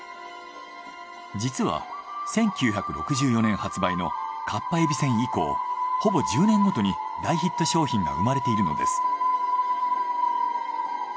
実は１９６４年発売のかっぱえびせん以降ほぼ１０年ごとに大ヒット商品が生まれているのです。